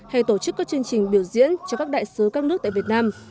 hay tổ chức các chương trình biểu diễn cho các đại sứ các nước tại việt nam